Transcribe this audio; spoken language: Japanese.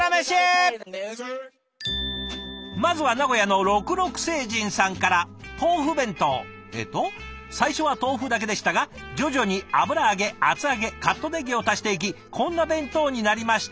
まずはえっと「最初は豆腐だけでしたが徐々に油揚げ厚揚げカットネギを足していきこんな弁当になりました」。